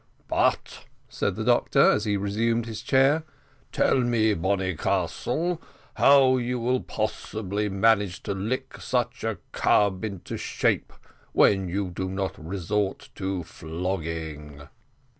"But," said the doctor, as he resumed his chair, "tell me, Bonnycastle, how you will possibly manage to lick such a cub into shape, when you do not resort to flogging?"